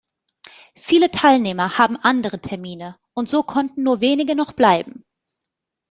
Viele Teilnehmer haben andere Termine und so konnten nur wenige noch bleiben.